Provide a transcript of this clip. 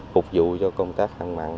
phục vụ cho công tác hàng mặn